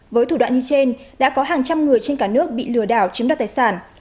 với thủ đoạn như trên đã có hàng trăm người trên cả nước bị lừa đảo chiếm đặt tài sản